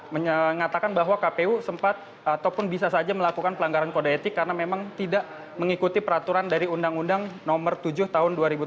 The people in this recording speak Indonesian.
mengatakan bahwa kpu sempat ataupun bisa saja melakukan pelanggaran kode etik karena memang tidak mengikuti peraturan dari undang undang nomor tujuh tahun dua ribu tujuh belas